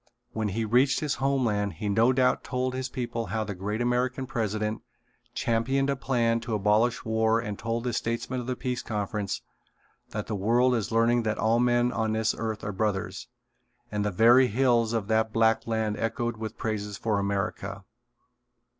When he reached his homeland he no doubt told his people how the great American president championed a plan to abolish war and told the statesmen of the Peace Conference that the world is learning that all men on this earth are brothers, and the very hills of that black land echoed with praises for America.